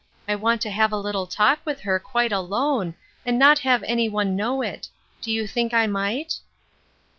I want to have a little talk with her quite alone, and not have any one know it. Do you think I might